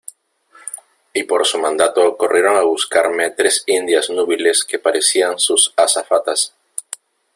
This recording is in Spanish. y por su mandato corrieron a buscarme tres indias núbiles que parecían sus azafatas.